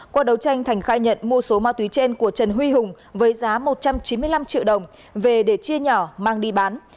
qua đấu tranh thành khai nhận mua số ma túy trên của trần huy hùng với giá một trăm chín mươi năm triệu đồng về để chia nhỏ mang đi bán